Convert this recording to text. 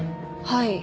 はい。